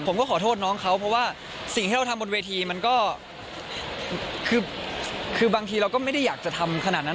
ผมก็รักน้องเจ้าขุนเหมือนเดิมค่ะ